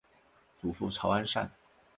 祖父曹安善。